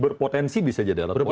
berpotensi bisa jadi alat politik